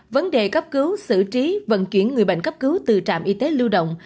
vấn đề cấp cứu xử trí vận chuyển người bệnh cấp cứu từ trạm y tế lưu động